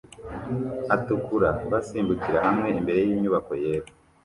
atukura basimbukira hamwe imbere yinyubako yera